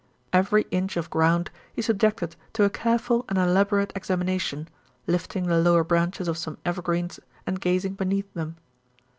Every inch of ground he subjected to a careful and elaborate examination, lifting the lower branches of some evergreens and gazing beneath them.